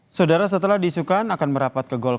non involumen yang men nirvaani jump mia yang terima di netflix